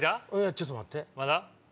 ちょっと待って。